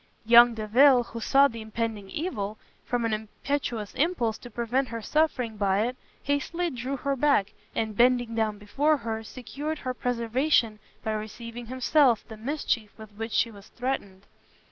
Young Delvile, who saw the impending evil, from an impetuous impulse to prevent her suffering by it, hastily drew her back, and bending down before her, secured her preservation by receiving himself the mischief with which she was threatened.